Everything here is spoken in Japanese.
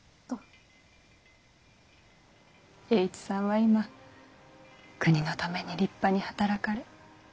・栄一さんは今国のために立派に働かれ。